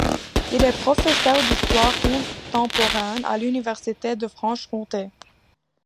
Il est professeur d'histoire contemporaine à l'université de Franche-Comté.